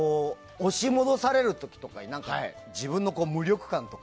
押し戻される時とか自分の無力感を。